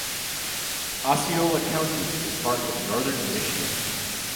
Osceola County is part of Northern Michigan.